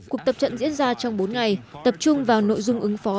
cuộc tập trận diễn ra trong bốn ngày tập trung vào nội dung ứng phó